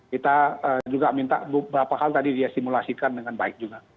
kita juga minta beberapa hal tadi dia simulasikan dengan baik juga